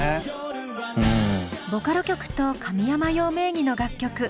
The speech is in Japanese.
ボカロ曲と神山羊名義の楽曲。